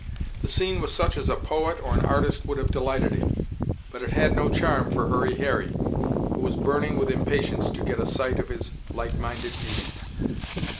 The scene was such as a poet or an artist would have delighted in, but it had no charm for Hurry Harry, who was burning with impatience to get a sight of his light minded beauty.